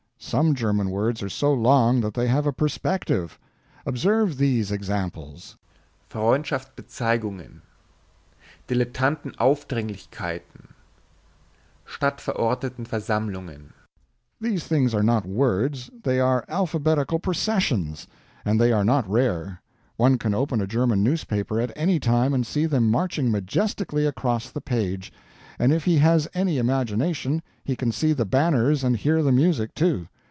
Some German words are so long that they have a perspective. Observe these examples: Freundschaftsbezeigungen. Dilettantenaufdringlichkeiten. Stadtverordnetenversammlungen. These things are not words, they are alphabetical processions. And they are not rare; one can open a German newspaper at any time and see them marching majestically across the page and if he has any imagination he can see the banners and hear the music, too.